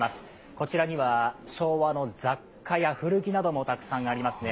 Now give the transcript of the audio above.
こちらには昭和の雑貨や古着などもたくさんありますね。